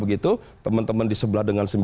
begitu teman teman di sebelah dengan